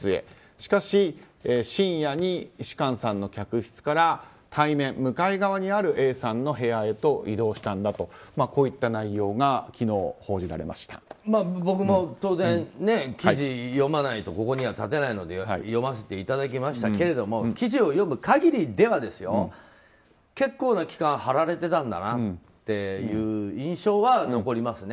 しかし、深夜に芝翫さんの客室から対面、向かい側にあるＡさんの部屋へと移動したんだという内容が僕も当然記事を読まないとここには立てないので読ませていただきましたけれども記事を読む限りでは結構な期間張られてたんだなっていう印象は残りますね。